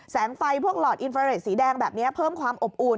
ไฟพวกหลอดอินฟราเรทสีแดงแบบนี้เพิ่มความอบอุ่น